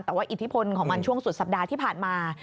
แต่ว่าอิทธิพลของมันช่วงสุดสัปดาห์ที่ผ่านมา